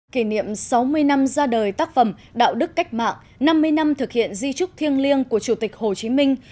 kỷ niệm sáu mươi năm ra đời tác phẩm đạo đức cách mạng năm mươi năm thực hiện di trúc thiêng liêng của chủ tịch hồ chí minh